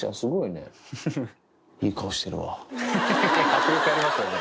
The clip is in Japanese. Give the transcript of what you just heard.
ヘヘヘ迫力ありますよね。